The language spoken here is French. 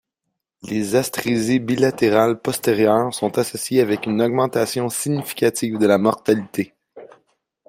Les atrésies bilatérales postérieures sont associées avec une augmentation significative de la mortalité.